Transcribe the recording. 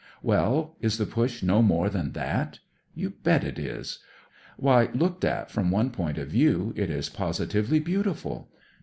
WeU, is the Push no more than that ? You bet it is. Why, looked at from one point of view, it is positively beauti ful.